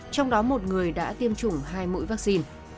trong đó một người đã tiêm chủng hai mũi vaccine